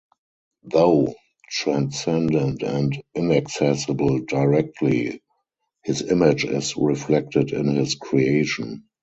Though transcendent and inaccessible directly, his image is reflected in his creation.